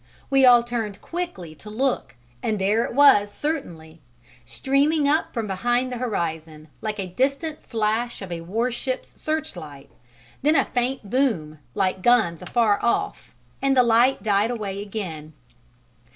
We all turned quickly to look and there it was certainly: streaming up from behind the horizon like a distant flash of a warship's searchlight; then a faint boom like guns afar off, and the light died away again.